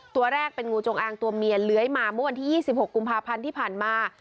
ตัวแรกเป็นงูจงอางตัวเมียเลื้อยมาเมื่อวันที่๒๖กุมภาพันธ์ที่ผ่านมา